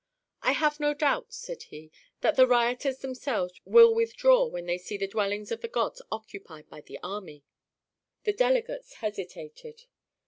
"I have no doubt," said he, "that the rioters themselves will withdraw when they see the dwellings of the gods occupied by the army." The delegates hesitated.